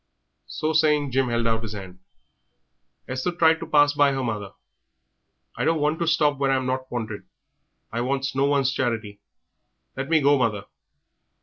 So saying, Jim held out his hand. Esther tried to pass by her mother. "I don't want to stop where I'm not wanted; I wants no one's charity. Let me go, mother."